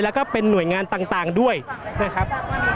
แล้วก็เป็นหน่วยงานต่างด้วยนะครับ